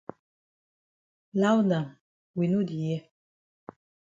Loud am we no di hear.